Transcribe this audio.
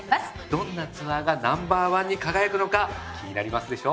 どんなツアーがナンバー１に輝くのか気になりますでしょ？